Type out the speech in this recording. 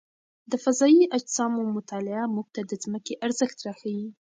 د فضايي اجسامو مطالعه موږ ته د ځمکې ارزښت راښيي.